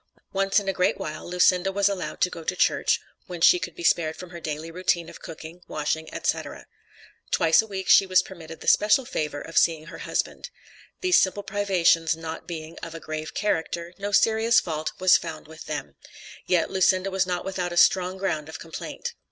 Once in a great while Lucinda was allowed to go to church, when she could be spared from her daily routine of cooking, washing, etc. Twice a week she was permitted the special favor of seeing her husband. These simple privations not being of a grave character, no serious fault was found with them; yet Lucinda was not without a strong ground of complaint.